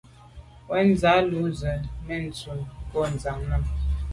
Wù z’a lèn ju ze me te num nko’ tshan à.